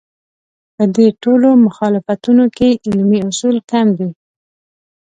په دې ټولو مخالفتونو کې علمي اصول کم دي.